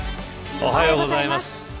おはようございます。